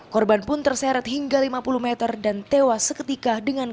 korban pun terseret hingga lima puluh meter dan tewas seketika dengan korban